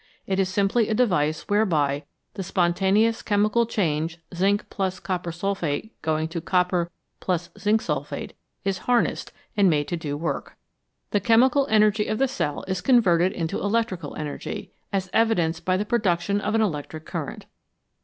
It is simply a device whereby the spontaneous chemical change zinc + copper sulphate > copper + zinc sulphate is harnessed and made to do work. The chemical energy of the cell is con 294 " CHEMISTRY AND ELECTRICITY verted into electrical energy, as evidenced by the pro duction of an electric current.